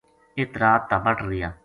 ایک رات تابٹ رہیا